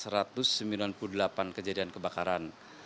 satu ratus sembilan puluh delapan kejadian kebakaran